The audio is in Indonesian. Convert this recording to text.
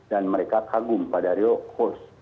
dan mereka kagum pak daryo